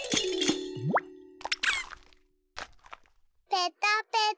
ペタペタ。